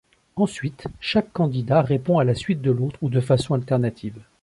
Ensuite, chaque candidat répond à la suite de l’autre ou de façon alternative.